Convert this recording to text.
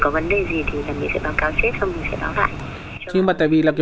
bởi vì có vấn đề gì thì là mình sẽ báo cáo xếp xong mình sẽ báo lại